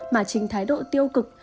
mà chính thái độ tiêu cực